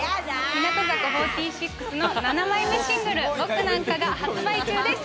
日向坂４６の７枚目シングル『僕なんか』が発売中です。